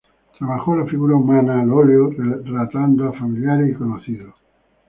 Trabajó la figura humana al óleo retratando a familiares y conocidos.